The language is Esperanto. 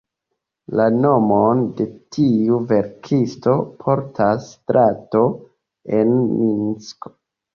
La nomon de tiu verkisto portas strato en Minsko.